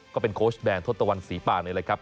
ก็เป็นโค้ชแบรนด์ทศตวรรษศรีป่านเลยครับ